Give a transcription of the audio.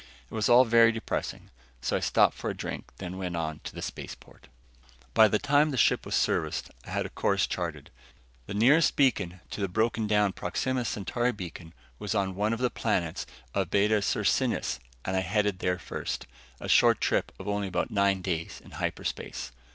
It was all very depressing, so I stopped for a drink, then went on to the spaceport. By the time the ship was serviced, I had a course charted. The nearest beacon to the broken down Proxima Centauri Beacon was on one of the planets of Beta Circinus and I headed there first, a short trip of only about nine days in hyperspace.